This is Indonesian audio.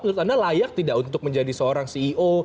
menurut anda layak tidak untuk menjadi seorang ceo